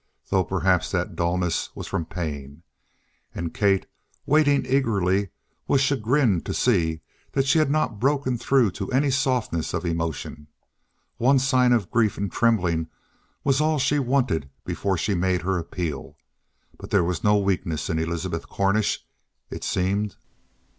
Though perhaps that dullness was from pain. And Kate, waiting eagerly, was chagrined to see that she had not broken through to any softness of emotion. One sign of grief and trembling was all she wanted before she made her appeal; but there was no weakness in Elizabeth Cornish, it seemed.